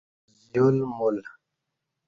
زیول مول